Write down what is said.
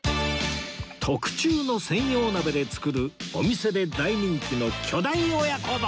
特注の専用鍋で作るお店で大人気の巨大親子丼！